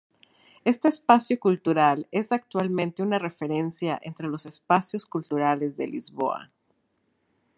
Este espacio cultural es actualmente una referencia entre los espacios culturales de Lisboa.